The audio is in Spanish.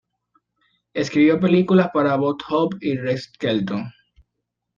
Escribió películas para Bob Hope y Red Skelton.